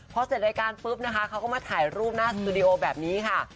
พอเสร็จรายการปุ๊บนะคะเขาก็มาถ่ายรูปหน้าสตูดิโอแบบนี้ค่ะ